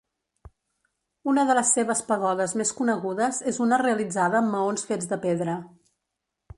Una de les seves pagodes més conegudes és una realitzada amb maons fets de pedra.